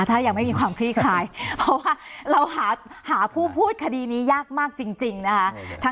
ถ้ายังไม่มีความคลี่คลายเพราะว่าเราหาผู้พูดคดีนี้ยากมากจริงนะคะ